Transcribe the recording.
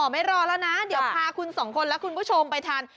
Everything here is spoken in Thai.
ไม่รอแล้วนะเดี๋ยวพาคุณสองคนและคุณผู้ชมไปทาน